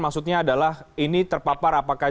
maksudnya adalah ini terpapar apakah